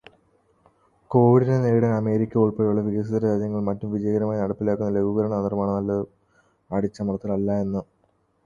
കോവിഡിനെ നേരിടാൻ അമേരിക്ക ഉൾപ്പെടെയുള്ള വികസിതരാജ്യങ്ങൾ മറ്റും വിജയകരമായി നടപ്പിലാക്കുന്ന ലഘൂകരണതന്ത്രമാണ് നല്ലത്, അടിച്ചമര്ത്തല് അല്ല എന്ന്.